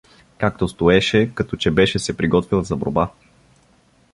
Както стоеше, като че беше се приготвил за борба.